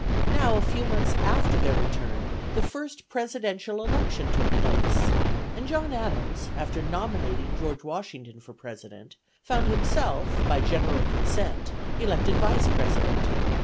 Now, a few months after their return, the first Presidential election took place, and John Adams, after nominating George Washington for President, found himself by general consent elected Vice President.